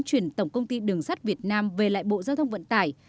chuyển tổng công ty đường sắt việt nam về lại bộ giao thông vận tải